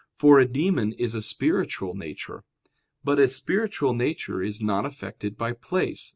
For a demon is a spiritual nature. But a spiritual nature is not affected by place.